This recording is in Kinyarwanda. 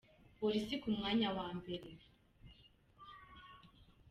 Polisi ku mwanya wa mbere